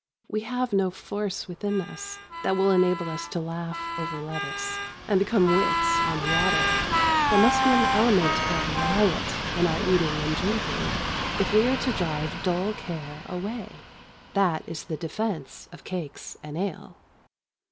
We have no force within us that will enable us to laugh over a lettuce and become wits on water. There must be an element of riot in our eating and drinking if we are to drive dull care away. That is the defence of cakes and ale.